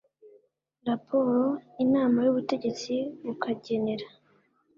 raporo inama y ubutegetesi bukagenera